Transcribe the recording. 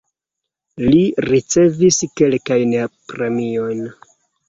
Li ricevis kelkajn premiojn.